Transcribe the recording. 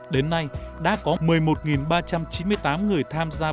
đến nay đã có một mươi một ba trăm chín mươi tám người tham gia bảo hiểm